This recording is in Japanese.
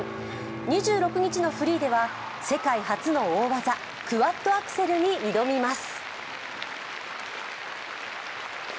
２６日のフリーでは世界初の大技、クワッドアクセルに挑みます。